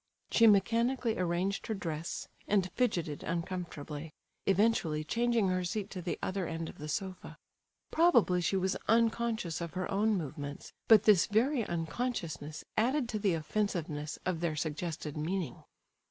She mechanically arranged her dress, and fidgeted uncomfortably, eventually changing her seat to the other end of the sofa. Probably she was unconscious of her own movements; but this very unconsciousness added to the offensiveness of their suggested meaning.